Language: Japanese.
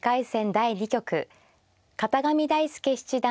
第２局片上大輔七段